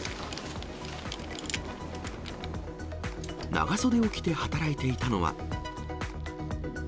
長袖を着て働いていたのは。